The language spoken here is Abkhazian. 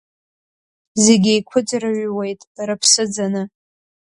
Зегь еиқуӡырҩуеит рыԥсы ӡаны…